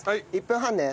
１分半。